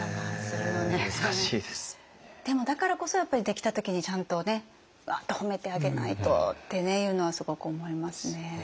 でもだからこそやっぱりできた時にちゃんとねわっと褒めてあげないとっていうのはすごく思いますね。